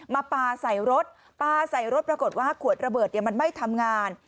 ปลาใส่รถปลาใส่รถปรากฏว่าขวดระเบิดมันไม่ทำงาน